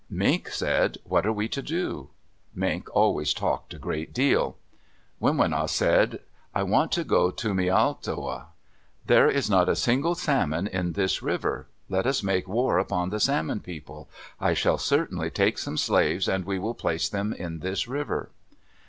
Mink said, "What are we to do?" Mink always talked a great deal. Winwina said, "I want to go to Mialtoa. There is not a single salmon in this river. Let us make war upon the Salmon People. I shall certainly take some slaves and we will place them in this river."